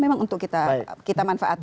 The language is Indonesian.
memang untuk kita manfaatkan